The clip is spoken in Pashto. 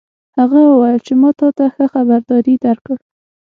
هغه وویل چې ما تا ته ښه خبرداری درکړ